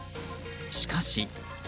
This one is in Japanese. しかし。